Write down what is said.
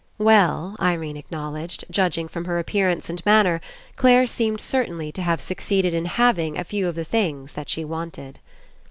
Well, Irene acknowledged, judging from her appearance and manner, Clare seemed certainly to have succeeded In having a few of the things that she wanted.